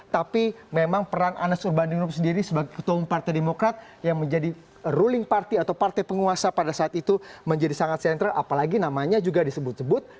tapi memang peran anas urbaningrum sendiri sebagai ketua umum partai demokrat yang menjadi ruling party atau partai penguasa pada saat itu menjadi sangat sentral apalagi namanya juga disebut sebut